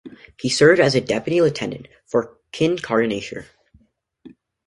He served as Deputy Lieutenant for Kincardineshire.